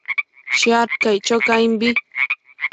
Shiad caic cho caimbi